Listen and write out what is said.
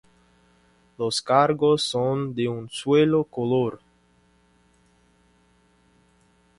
Los cargos son de un solo color.